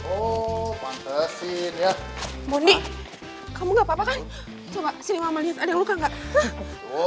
oh pantesin ya bunyi kamu nggak papa kan coba sini mama lihat ada luka enggak